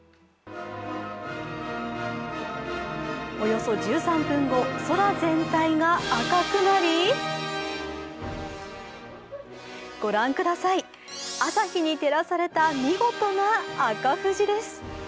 およそ１３分後、空全体が赤くなり御覧ください、朝日に照らされた見事な赤富士です。